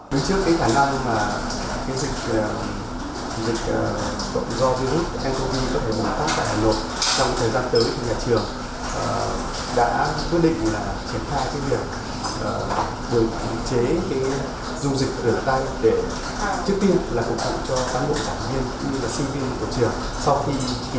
đối trước cái khả năng mà cái dịch dịch tội do virus ncov có thể bỏ tắt tại hà nội